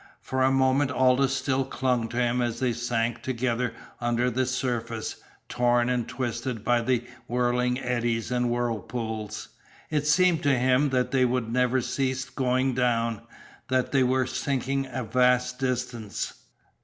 For a moment Aldous still clung to him as they sank together under the surface, torn and twisted by the whirling eddies and whirlpools. It seemed to him that they would never cease going down, that they were sinking a vast distance.